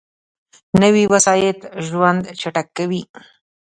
نوې وسایط ژوند چټک کوي